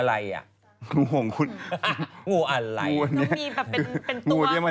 ใช่เห็นงูมาพันนี้แบบงี้อ่ะหรอของพี่เมย์เต็มที่มาก